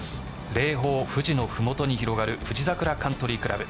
霊峰富士の麓に広がる富士桜カントリー倶楽部。